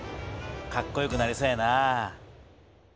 かっこよくなりそうやな。